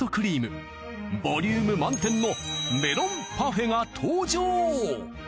ボリューム満点のメロンパフェが登場！